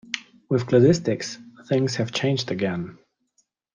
With cladistics things have changed again.